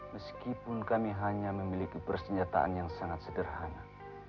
meskipun kami hanya memiliki persenjataan yang sangat sederhana